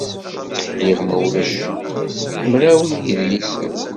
Liɣ, ma ulac, mraw n yidlisen.